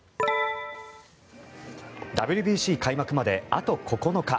ＷＢＣ開幕まであと９日。